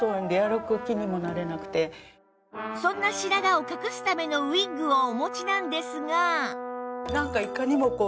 そんな白髪を隠すためのウィッグをお持ちなんですが